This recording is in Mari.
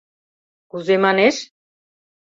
Кузе манеш?